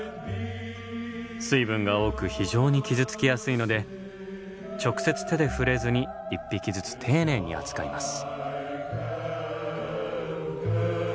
水分が多く非常に傷つきやすいので直接手で触れずに１匹ずつ丁寧に扱います。